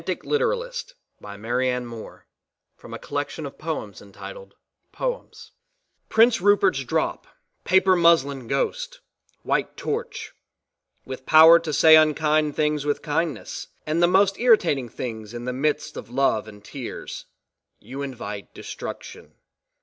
24 M785000 OEMS BY MARIANNE MOORE PEDANTIC LITERALIST Prince Rupert's drop, paper muslin ghost, white torch "with pow'r to say unkind things with kindness, and the most irritating things in the midst of love and tears," you invite destruction.